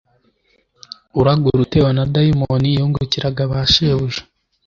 uragura utewe na dayimoni yungukiraga ba shebuja